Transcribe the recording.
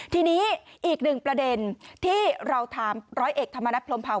ทีนี้อีกหนึ่งประเด็นที่เราถามร้อยเอกธรรมนัฐพรมเผา